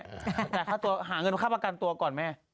แจกเข้าตัวหาเงินไปทับประกันตัวก่อนแม่